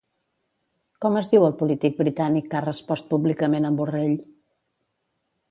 Com es diu el polític britànic que ha respost públicament en Borrell?